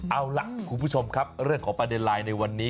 เอาล่ะคุณผู้ชมครับเรื่องของประเด็นไลน์ในวันนี้